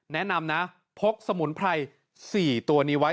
แนะนำนะพกสมุนไพร๔ตัวนี้ไว้